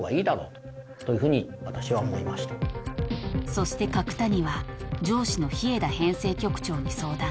［そして角谷は上司の日枝編成局長に相談］